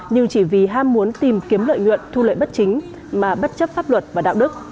nhưng chỉ vì ham muốn tìm kiếm lợi nhuận thu lợi bất chính mà bất chấp pháp luật và đạo đức